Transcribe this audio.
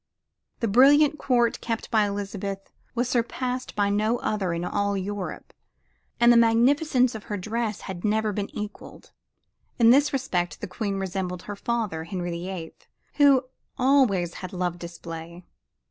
The brilliant court kept by Elizabeth was surpassed by no other in all Europe, and the magnificence of her dress had never been equaled. In this respect the Queen resembled her father, Henry the Eighth, who always had loved display.